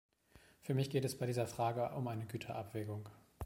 Für mich geht es bei dieser Frage um eine Güterabwägung.